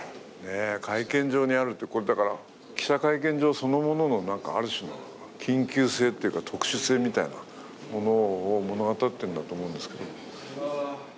会見場にあるって、だから記者会見場そのもののある種の緊急性というか、特殊性みたいなものを物語ってると思うんですけど。